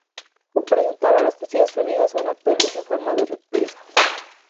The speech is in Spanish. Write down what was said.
Presentaba las costillas unidas a una pelvis en forma de repisa.